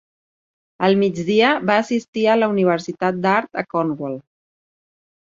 Al migdia va assistir a la universitat d'art a Cornwall.